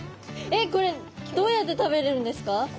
えっこれどうやって食べるんですか？